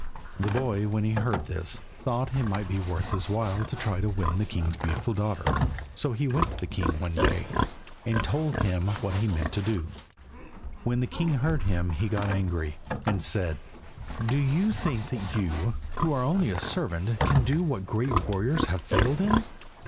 The boy when he heard of this thought that it might be well worth his while to try to win the king's beautiful daughter. So he went to the king one day, and told him what he meant to do. When the king heard him, he got angry, and said "Do you think that you, who are only a servant, can do what great warriors have failed in?"